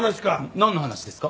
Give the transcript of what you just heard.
なんの話ですか？